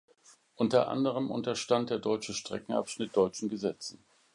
Unter anderem unterstand der deutsche Streckenabschnitt deutschen Gesetzen.